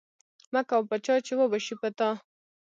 مه کوه په چا، چی وبه شي په تا